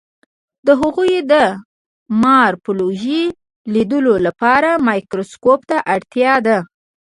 د هغوی د مارفولوژي لیدلو لپاره مایکروسکوپ ته اړتیا ده.